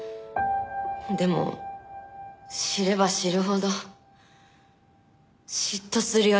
でも知れば知るほど嫉妬するようになって。